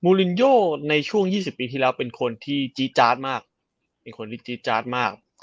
มูลินโยในช่วง๒๐ปีที่แล้วเป็นคนที่จี๊จาร์ดมาก